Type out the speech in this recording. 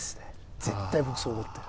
絶対僕そう思ってるんです。